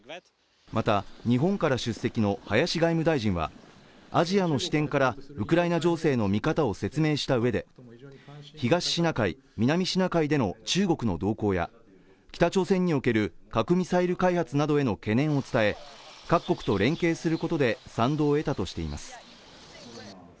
また日本から出席の林外務大臣はアジアの視点からウクライナ情勢の見方を説明した上で東シナ海、南シナ海での中国の動向や北朝鮮における核ミサイル開発などへの懸念を伝え各国と連携することで賛同を得たとしています